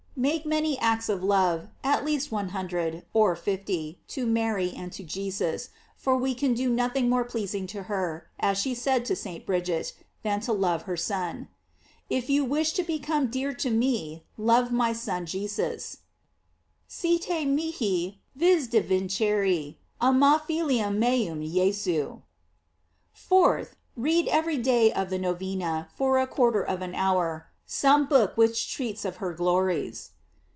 Make many acts of love, at least one hun dred, or fifty, to Mary and to Jesus, for we can do nothing more pleasing to her, as she said to St. Bridget, than to love her Son: If you wish to become dear to me, love my Son Jesus: "Si te mihi vis devincire, ama filium meum Jesum." 4th. Read every day of the Novena, for a quar ter of an hour, some book which treats of her glories.